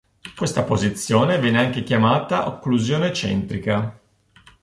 Questa posizione viene anche chiamata occlusione centrica.